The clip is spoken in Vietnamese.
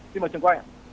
xin mời trường quay ạ